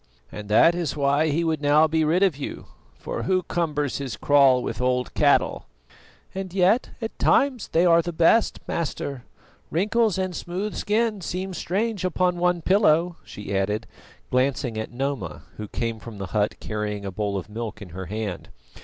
"And that is why he would now be rid of you, for who cumbers his kraal with old cattle?" "And yet at times they are the best, Master. Wrinkles and smooth skin seem strange upon one pillow," she added, glancing at Noma, who came from the hut carrying a bowl of milk in her hand.